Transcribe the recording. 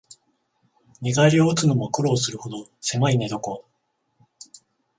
寝返りうつのも苦労するほどせまい寝床